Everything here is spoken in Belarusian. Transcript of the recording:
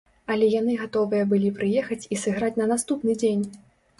Але яны гатовыя былі прыехаць і сыграць на наступны дзень!